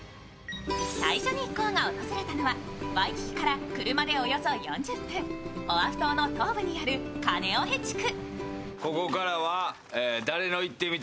最初に一行が訪れたのはワイキキから車でおよそ４０分、オアフ島の東部にあるカネオヘ地区。